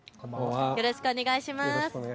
よろしくお願いします。